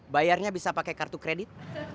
bayarnya bisa pakai kartu kredit